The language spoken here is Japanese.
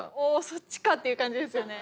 そっちかっていう感じですよね。